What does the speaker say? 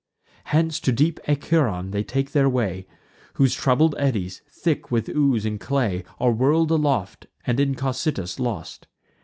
Hence to deep Acheron they take their way, Whose troubled eddies, thick with ooze and clay, Are whirl'd aloft, and in Cocytus lost.